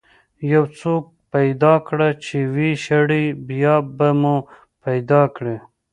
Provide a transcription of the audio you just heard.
یو څوک پیدا کړه چې ويې شړي، بیا به مو پیدا کړي.